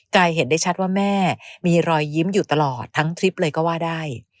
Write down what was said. เห็นได้ชัดว่าแม่มีรอยยิ้มอยู่ตลอดทั้งทริปเลยก็ว่าได้